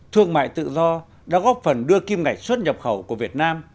thương mại tự do đã góp phần đưa kim ngạch xuất nhập khẩu của việt nam